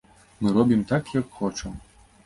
Мы робім так, як хочам.